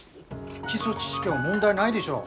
基礎知識は問題ないでしょう。